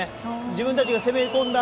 自分たちが攻め込んだ